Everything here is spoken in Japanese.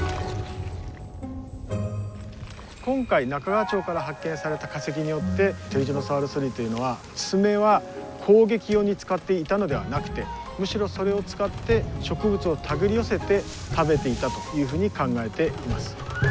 今回中川町から発見された化石によってテリジノサウルス類というのは爪は攻撃用に使っていたのではなくてむしろそれを使って植物を手繰り寄せて食べていたというふうに考えています。